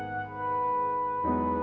soal pengusuranan panti ini